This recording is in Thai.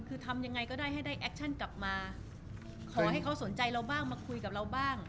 คือทำยังไงก็ได้ให้ได้แอคชั่นกลับมาขอให้เขาสนใจเราบ้างมาคุยกับเราบ้าง